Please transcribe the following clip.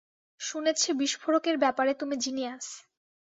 শুনেছি বিস্ফোরকের ব্যপারে তুমি জিনিয়াস।